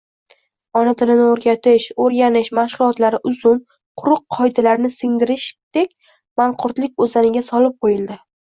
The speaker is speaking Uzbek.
Ona tilini oʻrgatish, oʻrganish mashgʻulotlari uzun, quruq qoidalarni singdirishdek “manqurtlik oʻzani”ga solib qoʻyildi.